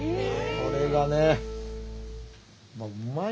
これがねうまいねんな。